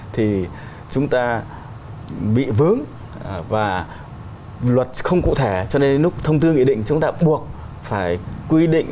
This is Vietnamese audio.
thì chúng ta bị vướng và luật không cụ thể cho nên lúc thông tư nghị định chúng ta buộc phải quy định